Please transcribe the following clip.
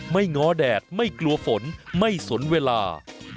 ง้อแดดไม่กลัวฝนไม่สนเวลา